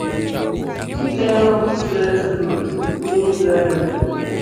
Kilemo kitweyo to Ruoth miyi dwaroni